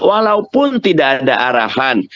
walaupun tidak ada arahan